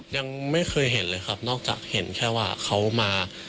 ยังไม่เคยเห็นเลยครับนอกจากเห็นแค่ว่าเขามา